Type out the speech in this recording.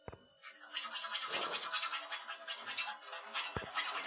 দাঁড়াও, কোন ছেলে?